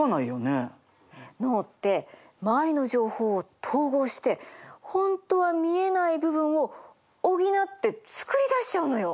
脳って周りの情報を統合して本当は見えない部分を補って作り出しちゃうのよ。